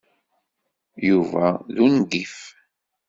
Yuba d ungif.